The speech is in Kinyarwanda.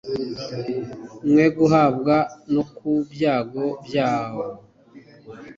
mwe guhabwa no ku byago byawo